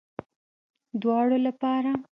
دواړو لپاره